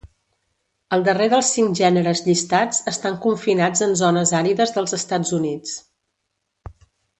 El darrer dels cinc gèneres llistats estan confinats en zones àrides dels Estats Units.